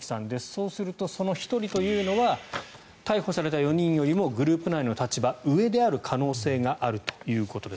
そうすると、その１人というのは逮捕された４人よりもグループ内の立場が上である可能性があるということです。